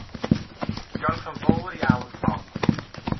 Diolch yn fawr iawn, Tom.